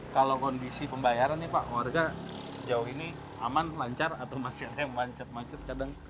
kalau kondisi pembayaran nih pak warga sejauh ini aman lancar atau masih ada yang macet macet kadang